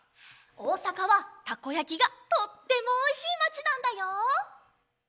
おおさかはたこやきがとってもおいしいまちなんだよ。